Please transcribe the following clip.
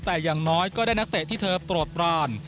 แต่อย่างน้อยก็ได้นักเตะที่เธอโปรดปราน